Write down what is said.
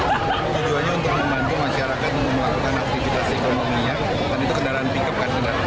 tujuannya untuk membantu masyarakat melakukan aktivitas ekonominya dan itu kendaraan pick up